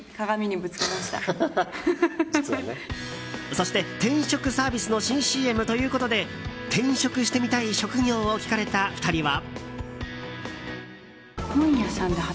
そして転職サービスの新ＣＭということで転職してみたい職業を聞かれた２人は。